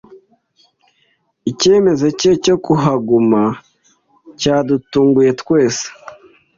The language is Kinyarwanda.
Icyemezo cye cyo kuhaguma cyadutunguye twese